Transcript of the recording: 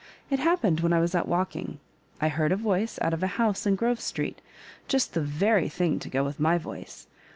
It happened when I was out walking ; I heard a voice out of a house in Grove Street, just the veri/ thing to go with my voice.